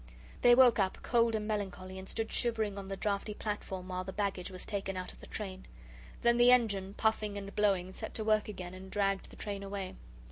They woke up, cold and melancholy, and stood shivering on the draughty platform while the baggage was taken out of the train. Then the engine, puffing and blowing, set to work again, and dragged the train away.